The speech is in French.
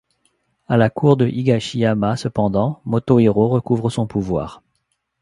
À la cour de Higashiyama cependant, Motohiro recouvre son pouvoir.